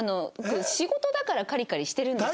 仕事だからカリカリしてるんですよ。